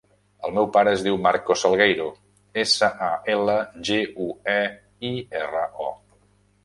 El meu pare es diu Marcos Salgueiro: essa, a, ela, ge, u, e, i, erra, o.